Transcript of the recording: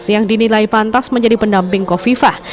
yang dinilai pantas menjadi pendamping kofifah